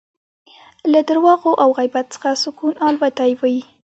له درواغو او غیبت څخه سکون الوتی وي